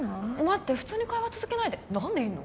待って普通に会話続けないで何でいんの？